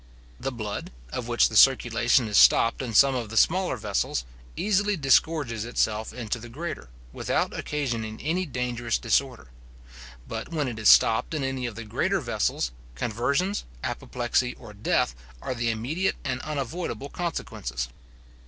The blood, of which the circulation is stopt in some of the smaller vessels, easily disgorges itself into the greater, without occasioning any dangerous disorder; but, when it is stopt in any of the greater vessels, convulsions, apoplexy, or death, are the immediate and unavoidable consequences.